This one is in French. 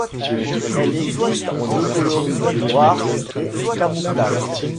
Elle existe en deux coloris, noir et camouflage.